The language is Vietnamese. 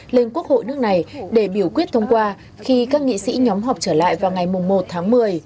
lên quốc hội nước này để biểu quyết thông qua khi các nghị sĩ nhóm họp trở lại vào ngày một tháng một mươi